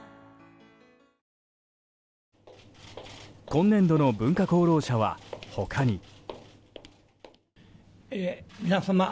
今年度の文化功労者は他にも。